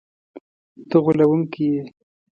ته غولونکی یې!”